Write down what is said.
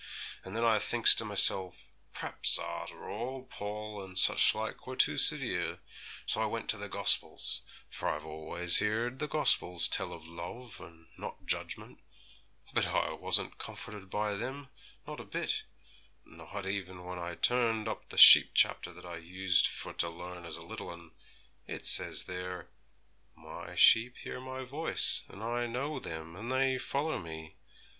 And then I thinks to mysel', p'raps arter all Paul and such like were too severe, so I went to the gospels, for I've always heerd the gospels tell of love, and not judgment, but I wasn't comforted by them, not a bit, not even when I turned up the sheep chapter that I used for to learn as a little 'un. It says there, "My sheep hear My voice, and I know them, and they follow Me."